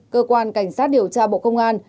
cơ quan cảnh sát điều tra bộ công an